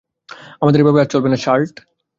আমাদের এভাবে আর চলবে না, শার্লট।